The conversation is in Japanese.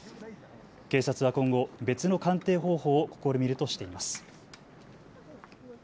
警察は今後、別の鑑定方法を試みるとしています。